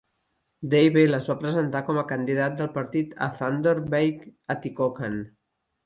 Deibel es va presentar com a candidat del partit a Thunder Bay-Atikokan.